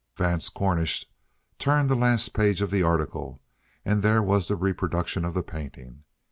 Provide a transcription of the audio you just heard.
Vance Cornish turned the last page of the article, and there was the reproduction of the painting.